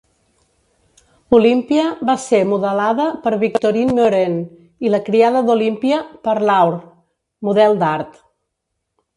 Olympia va ser modelada per Victorine Meurent i la criada d'Olympia per Laure, model d'art.